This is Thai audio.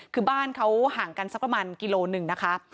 คือบ้านเขาห่างกันสักประมาณกิโลหนึ่งนะคะ